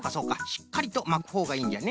しっかりとまくほうがいいんじゃね。